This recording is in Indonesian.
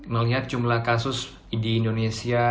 melihat jumlah kasus di indonesia